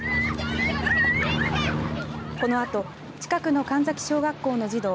このあと近くの神崎小学校の児童